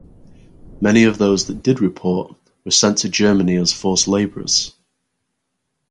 Many of those that did report were sent to Germany as forced labourers.